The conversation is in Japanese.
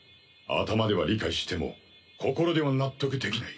頭では理解しても心では納得できない。